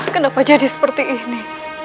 kenapa jadi seperti ini